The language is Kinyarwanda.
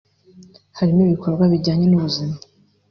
harimo ibikorwa bijyanye n’ubuzima